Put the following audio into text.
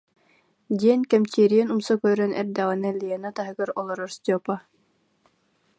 » диэн кэмчиэрийэн умса көрөн эрдэҕинэ Лена таһыгар олорор Степа: